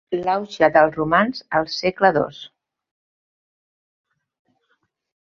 L'auge dels romans al segle dos.